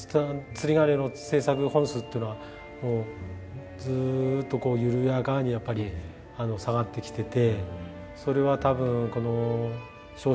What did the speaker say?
釣り鐘の製作本数っていうのはもうずっとこう緩やかにやっぱり下がってきてて。